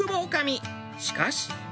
しかし。